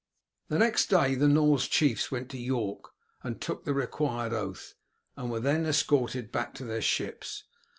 The next day the Norse chiefs went to York and took the required oath, and were then escorted back to their ships.